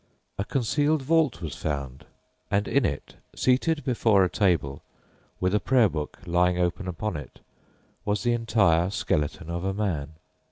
A concealed vault was found, and in it, seated before a table, with a prayer book lying open upon it, was the entire skeleton of a man.